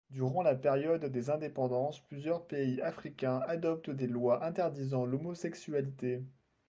Durant la période des indépendances, plusieurs pays africains adoptent des lois interdisant l'homosexualité.